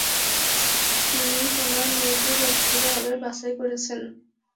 তিনি তোমার মেয়েকে ব্যক্তিগতভাবে বাছাই করেছেন।